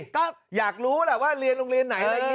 ก็อยากรู้แหละว่าเรียนโรงเรียนไหน